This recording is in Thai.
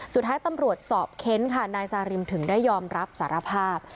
สุดท้ายตำรวจสอบเค้นค่ะนายซาริมถึงได้ยอมรับสารภาพ